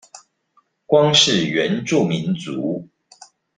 光是原住民族